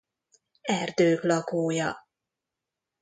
Erdők lakója.